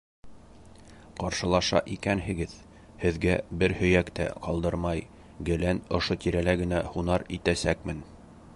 Ҡаршылаша икәнһегеҙ, һеҙгә бер һөйәк тә ҡалдырмай, гелән ошо тирәлә генә һунар итәсәкмен.